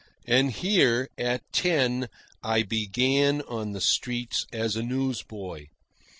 And here, at ten, I began on the streets as a newsboy.